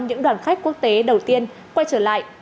những đoàn khách quốc tế đầu tiên quay trở lại